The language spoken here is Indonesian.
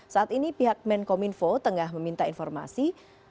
saat ini pihak menkominfo tengah meminta informasi